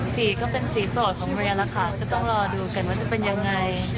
สีก็เป็นสีโปรดของโรงเรียนแล้วค่ะก็ต้องรอดูกันว่าจะเป็นยังไง